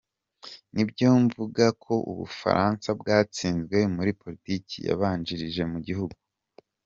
Ni byo mvuga ko u Bufaransa bwatsinzwe muri politiki y’abinjira mu gihugu.